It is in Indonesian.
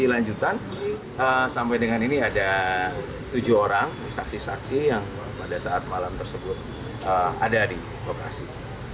lanjutan sampai dengan ini ada tujuh orang saksi saksi yang pada saat malam tersebut ada di lokasi